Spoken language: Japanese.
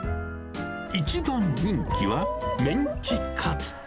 一番人気は、メンチカツ。